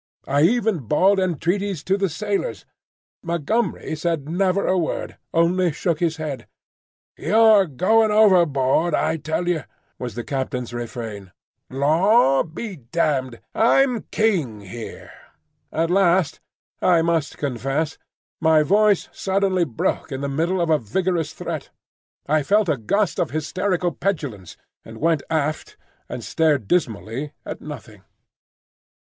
I even bawled entreaties to the sailors. Montgomery said never a word, only shook his head. "You're going overboard, I tell you," was the captain's refrain. "Law be damned! I'm king here." At last I must confess my voice suddenly broke in the middle of a vigorous threat. I felt a gust of hysterical petulance, and went aft and stared dismally at nothing.